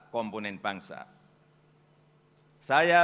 keuntungan dan keadilan